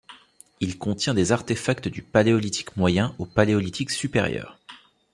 Il contient des artéfacts du Paléolithique moyen au Paléolithique supérieur.